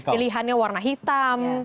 pilihannya warna hitam